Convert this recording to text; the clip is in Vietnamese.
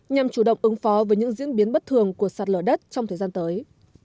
nhằm chủ động ứng phó với những diễn biến bất thường của sạt lở đất trong thời gian tới